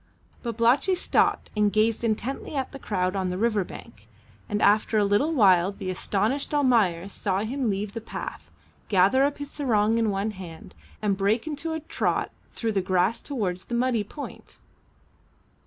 Babalatchi stopped and gazed intently at the crowd on the river bank, and after a little while the astonished Almayer saw him leave the path, gather up his sarong in one hand, and break into a trot through the grass towards the muddy point.